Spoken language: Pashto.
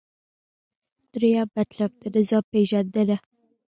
دریم مطلب : د نظام پیژندنه